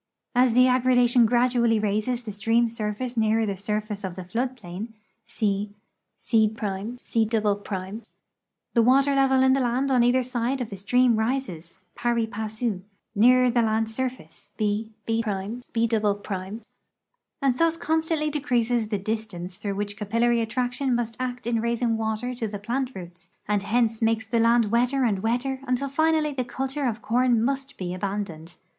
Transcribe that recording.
As the aggradation b~ V^ ^^/"^^ y^' •—^ Wj^W '>.— Jill I gradually raises the stream surface nean r the surfat r of tlu flood i)lain (/;, c', t"), the water level in the land on either si.h of the stream rises, iiari passu, nearer the land surface '/»,!>', I>") antl thus con.'stantly decreases the distance through which capillary attraction must act in raising water to the plant roots, and hence makes the land wetter and wetter until finally the culture of corn must be abandoned.